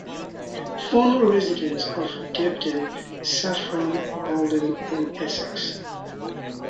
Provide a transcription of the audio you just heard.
Former resident of Debden, Saffron Walden in Essex.